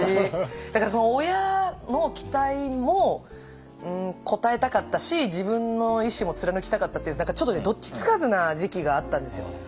だから親の期待も応えたかったし自分の意志も貫きたかったっていうちょっとどっちつかずな時期があったんですよ。